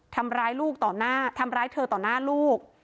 ทำร้ายเธอต่อหน้าลูก